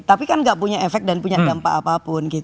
tapi kan gak punya efek dan punya dampak apapun